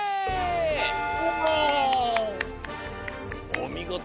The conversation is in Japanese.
おみごと。